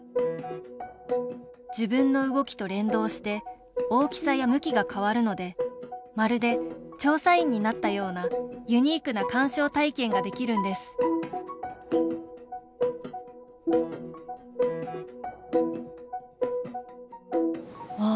自分の動きと連動して大きさや向きが変わるのでまるで調査員になったようなユニークな鑑賞体験ができるんですうわ